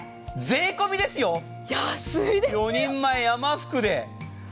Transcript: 税込みですよ、４人前、山福で。